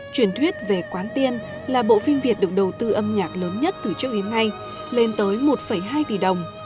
truyền thuyết về quán tiên là bộ phim việt được đầu tư âm nhạc lớn nhất từ trước đến nay lên tới một hai tỷ đồng